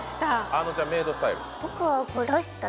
あのちゃんメイドスタイル